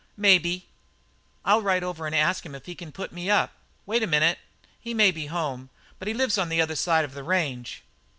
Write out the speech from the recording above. "Maybe." "I'll ride over and ask him if he can put me up." "Wait a minute. He may be home, but he lives on the other side of the range."